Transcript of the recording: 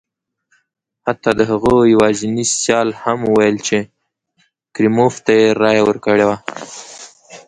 حتی د هغه یوازیني سیال هم وویل چې کریموف ته یې رایه ورکړې وه.